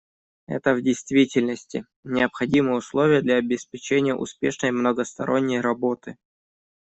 Это, в действительности, — необходимое условие для обеспечения успешной многосторонней работы.